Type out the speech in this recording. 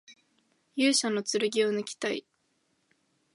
勇者の剣をぬきたい